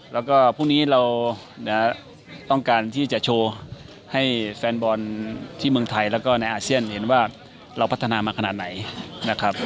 แล้วก็พรุ่งนี้เราต้องการที่จะโชว์ให้แฟนบอลที่เมืองไทยแล้วก็ในอาเซียนเห็นว่าเราพัฒนามาขนาดไหนนะครับ